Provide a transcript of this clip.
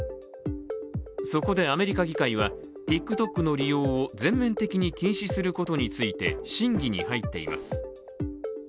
そこでアメリカ議会はＴｉｋＴｏｋの利用を全面的に禁止することについて審議に入っています。